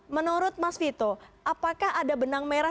menurut mas vito apakah ada benang merah